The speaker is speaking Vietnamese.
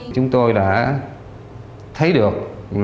chúng tôi đã thấy được